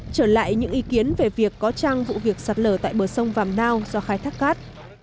trở lại những ý kiến về việc có trăng vụ việc sạt lở tại bờ sông vàm nao do khai thác cát